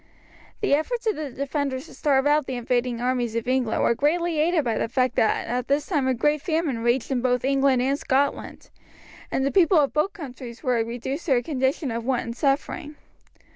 The efforts of the defenders to starve out the invading armies of England were greatly aided by the fact that at this time a great famine raged both in England and Scotland, and the people of both countries were reduced to a condition of want and suffering.